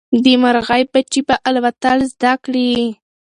د مرغۍ بچي به الوتل زده کړي.